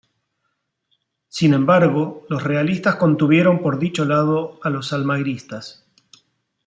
Sin embargo los realistas contuvieron por dicho lado a los almagristas.